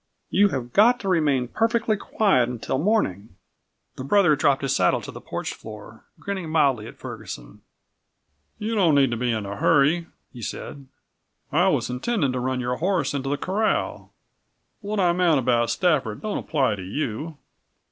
"You have got to remain perfectly quiet until morning!" The brother dropped his saddle to the porch floor, grinning mildly at Ferguson, "You don't need to be in a hurry," he said. "I was intending to run your horse into the corral. What I meant about Stafford don't apply to you."